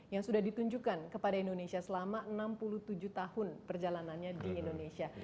yang sudah ditunjukkan kepada indonesia selama enam puluh tujuh tahun perjalanannya di indonesia